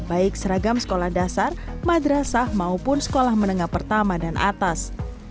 baik seragam sekolah dasar madrasah maupun sekolah menengah pertama dan atas